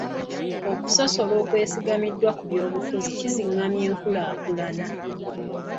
Okusosola okwesigamiziddwa ku byobufuzi kizingamya enkulaakulana.